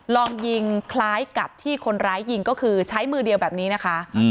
ลองยิงคล้ายกับที่คนร้ายยิงก็คือใช้มือเดียวแบบนี้นะคะ